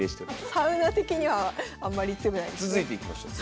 サウナ的にはあんまり強くないですね。